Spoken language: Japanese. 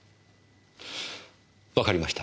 わかりました。